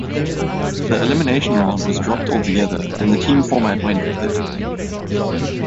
The Elimination Round was dropped altogether, and the team format went with it.